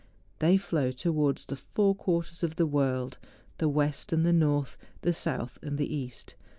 They flow towards the four quarters of the world, the west and the n rtb, the south and the east.